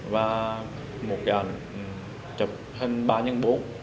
và một cái ảnh chụp hình ba nhân bốn